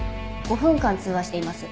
５分間通話しています。